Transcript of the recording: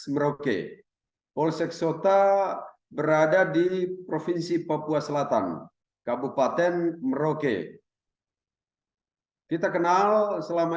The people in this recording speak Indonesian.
merauke polsek sota berada di provinsi papua selatan kabupaten merauke kita kenal selama